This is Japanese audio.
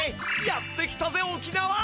やって来たぜ沖縄！